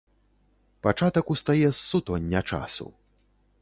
Пачатак устае з сутоння часу.